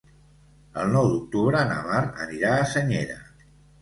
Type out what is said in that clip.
El nou d'octubre na Mar anirà a Senyera.